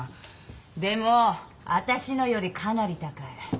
でも私のよりかなり高い。